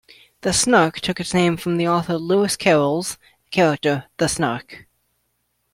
The Snark took its name from the author Lewis Carroll's character the "snark".